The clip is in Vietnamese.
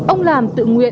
ông làm tự nguyện